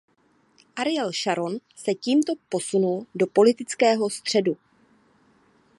Ariel Šaron se tímto posunul do politického středu.